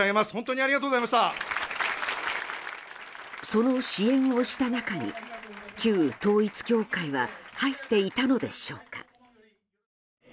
その支援をした中に旧統一教会は入っていたのでしょうか。